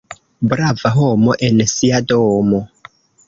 Brava homo en sia domo.